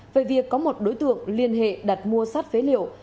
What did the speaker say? về việc có một đối tượng liên hệ đặt mua sắt phế liệu